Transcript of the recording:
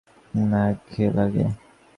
না, একঘেয়ে লাগে।